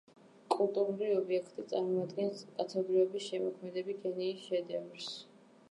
კულტურული ობიექტი წარმოადგენს კაცობრიობის შემოქმედებითი გენიის შედევრს.